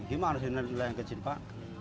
gimana sih nelayan kecil pak